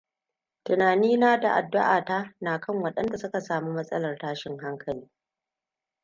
Tunani na da addu'a ta na kan waɗanda suka sami matsalar tashin hankali.